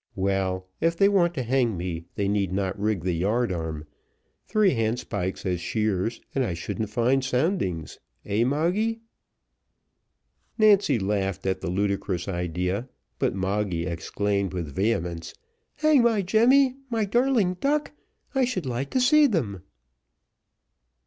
Well, if they want to hang me, they need not rig the yard arm, three handspikes as sheers, and I shouldn't find soundings, heh! Moggy?" Nancy laughed at the ludicrous idea; but Moggy exclaimed with vehemence, "Hang my Jemmy! my darling duck! I should like to see them."